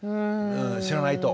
知らないと。